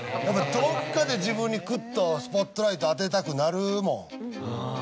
どっかで自分にクッとスポットライト当てたくなるもん。